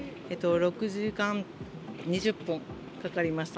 ６時間２０分かかりました。